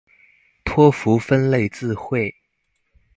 托福分類字彙